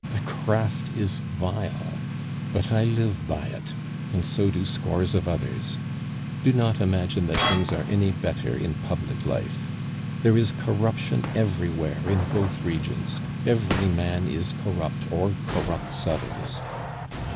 The craft is vile, but I live by it, and so do scores of others. Do not imagine that things are any better in public life. There is corruption everywhere in both regions; every man is corrupt or corrupts others.